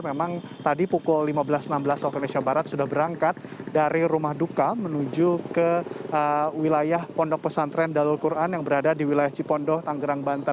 memang tadi pukul lima belas enam belas waktu indonesia barat sudah berangkat dari rumah duka menuju ke wilayah pondok pesantren dalul quran yang berada di wilayah cipondoh tanggerang banten